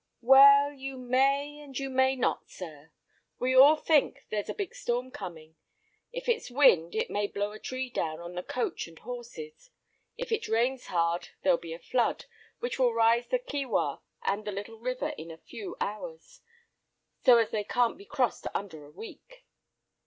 "Well, you may, and you may not, sir. We all think there's a big storm coming; if it's wind, it may blow a tree down on the coach and horses; if it rains hard, there'll be a flood, which will rise the Kiewah and the Little River in a few hours, so as they can't be crossed under a week."